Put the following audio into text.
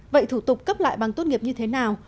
vậy thủ tục cấp lại bằng tốt nghiệp như thế nào